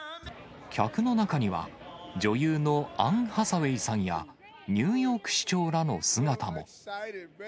客の中には、女優のアン・ハサウェイさんや、ニューヨーク市長らの姿も。